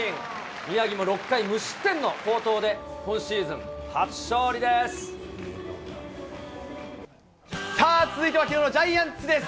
宮城も６回無失点の好投で、さあ続いてはきのうのジャイアンツです。